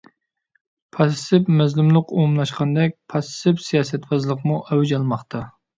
پاسسىپ مەزلۇملۇق ئومۇملاشقاندەك، پاسسىپ سىياسەتۋازلىقمۇ ئەۋج ئالماقتا.